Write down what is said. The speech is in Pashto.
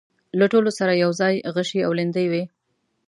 له ټولو سره يواځې غشي او ليندۍ وې.